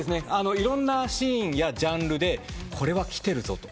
いろんなシーンやジャンルでこれはきてるぞと。